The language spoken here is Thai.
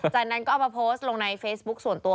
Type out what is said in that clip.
จากนั้นก็เอามาโพสต์ลงในเฟซบุ๊คส่วนตัว